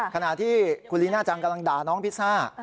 ขณะที่คุณลีน่าจังกำลังด่าน้องพิซซ่า